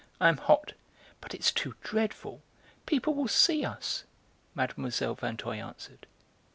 "I am hot." "But it's too dreadful! People will see us," Mlle. Vinteuil answered.